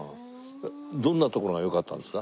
どんなところがよかったんですか？